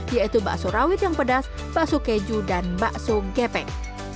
yaitu bakso rawit yang pedas bakso keju dan bakso gepeng